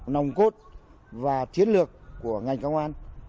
nồng cốt và chiến lược của ngành công an